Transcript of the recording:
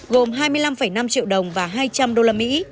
gồm hai mươi năm năm triệu đồng và hai trăm linh đô la mỹ